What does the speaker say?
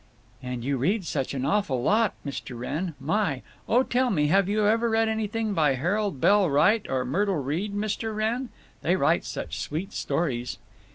"And you read such an awful lot, Mr. Wrenn! My! Oh, tell me, have you ever read anything by Harold Bell Wright or Myrtle Reed, Mr. Wrenn? They write such sweet stories."